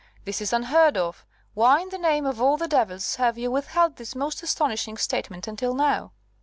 "This is unheard of. Why in the name of all the devils have you withheld this most astonishing statement until now?"